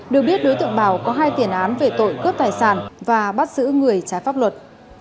được biết đối tượng bảo có hai tiền án về tội cướp tài sản và bắt giữ người trái pháp luật